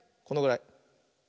このぐらい。